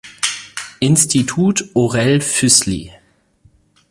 Institut Orell Füssli".